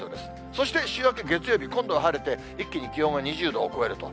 そして週明け月曜日、今度は晴れて、一気に気温が２０度を超えると。